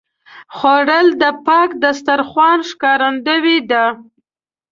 خوړل د پاک دسترخوان ښکارندویي ده